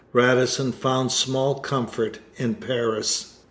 Radisson found small comfort in Paris.